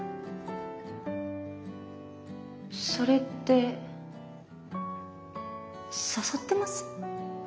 それって誘ってます？